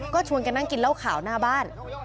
ก็ชวนกันนั่งกินเหล้าขาวหน้าบ้าน